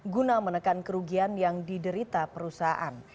guna menekan kerugian yang diderita perusahaan